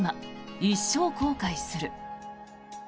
一生後悔する」